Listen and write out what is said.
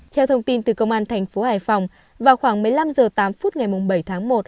theo thông tin từ công an tp hải phòng vào khoảng một mươi năm h tám ngày bảy tháng một